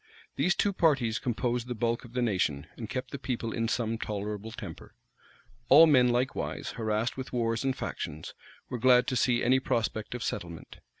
These two parties composed the bulk of the nation, and kept the people in some tolerable temper. All men, likewise, harassed with wars and factions, were glad to see any prospect of settlement.